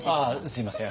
すいません。